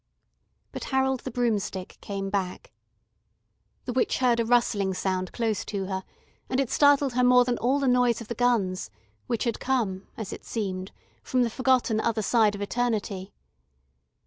But Harold the Broomstick came back. The witch heard a rustling sound close to her, and it startled her more than all the noise of the guns, which had come, as it seemed, from the forgotten other side of eternity.